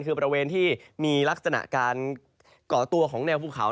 คือบริเวณที่มีลักษณะการก่อตัวของแนวภูเขา